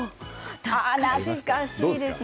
懐かしいですね。